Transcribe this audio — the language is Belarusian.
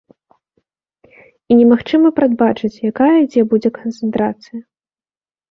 І немагчыма прадбачыць якая дзе будзе канцэнтрацыя.